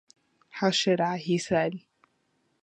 “How should I?” he said.